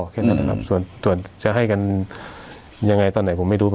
แค่นั้นนะครับส่วนจะให้กันยังไงตอนไหนผมไม่รู้